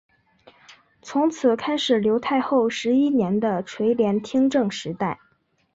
从此开始刘太后十一年的垂帘听政时代。